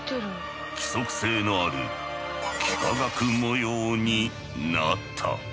規則性のある幾何学模様になった。